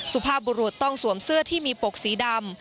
สุภาพบุรุษต้องสวมเสื้อที่มีปกสีดำ